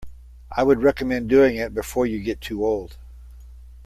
I would recommend doing it before you get too old.